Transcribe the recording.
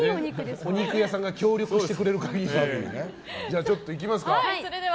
お肉屋さんが協力してくれる限りは。